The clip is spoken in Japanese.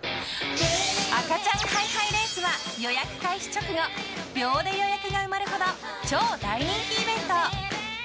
赤ちゃんハイハイレースは予約開始直後秒で予約が埋まるほど超大人気イベント！